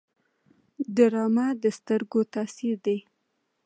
ډرامه د سترګو تاثیر دی